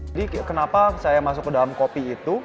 jadi kenapa saya masuk ke dalam kopi itu